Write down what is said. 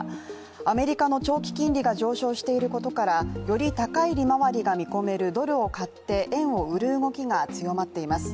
アメリカの長期金利が上昇していることから、より高い利回りが見込めるドルを買って円を売る動きがまっています。